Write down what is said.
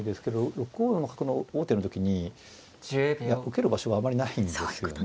６五の角の王手の時に受ける場所があまりないんですよね。